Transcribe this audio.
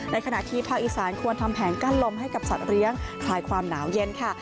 ขณะที่ภาคอีสานควรทำแผนกั้นลมให้กับสัตว์เลี้ยงคลายความหนาวเย็นค่ะ